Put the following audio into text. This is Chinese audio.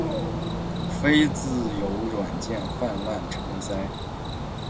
非自由软件泛滥成灾